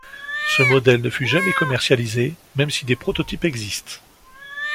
Ce modèle ne fut jamais commercialisé même si des prototypes existent.